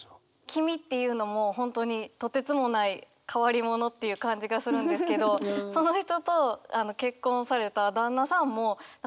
「君」っていうのも本当にとてつもない変わり者っていう感じがするんですけどその人と結婚された旦那さんもいいコンビなんじゃないかなと思って。